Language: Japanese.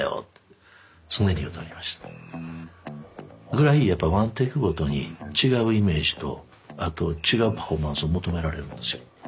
ぐらいやっぱワンテイクごとに違うイメージとあと違うパフォーマンスを求められるんですよ。